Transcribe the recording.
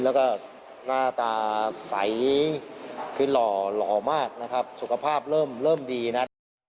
แล้วก็หน้าตาใสคือหล่อหล่อมากนะครับสุขภาพเริ่มดีนะครับ